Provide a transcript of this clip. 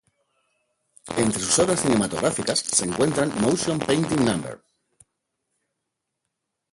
Entre sus obras cinematográficas se encuentra "Motion Painting No.